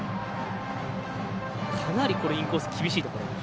かなりインコース厳しいところ。